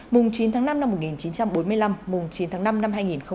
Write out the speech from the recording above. mùng chín tháng năm năm một nghìn chín trăm bốn mươi năm mùng chín tháng năm năm hai nghìn hai mươi